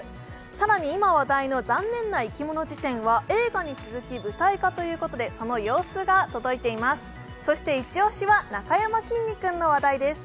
更に今、話題の「ざんねんないきもの事典」は映画に続き舞台化ということで、その様子が届いています。